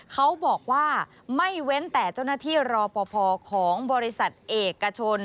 เขาบอกว่าไม่เว้นแต่เจ้าหน้าที่รอปภของบริษัทเอกชน